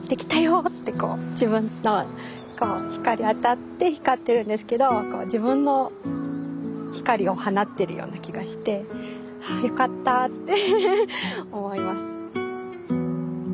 自分の光当たって光ってるんですけど自分の光を放ってるような気がしてはあよかったって思います。